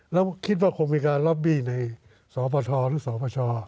แล้วคิดว่าคงมีการล็อบบี้ในสปทหรือสปช